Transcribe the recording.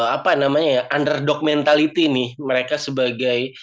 apa yang namanya ya underdog mentality nih mereka sebagai